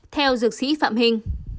theo dược sĩ phạm hình